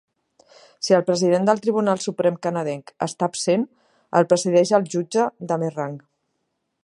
Si el president del Tribunal Suprem canadenc està absent, el presideix el jutge de més rang.